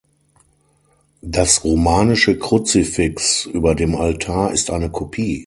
Das romanische Kruzifix über dem Altar ist eine Kopie.